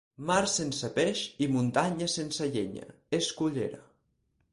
Mar sense peix i muntanya sense llenya, és Cullera.